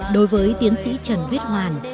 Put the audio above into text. đối với tiến sĩ trần viết hoàn